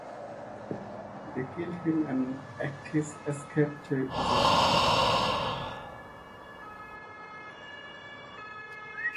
They killed him and Actis escaped to Egypt.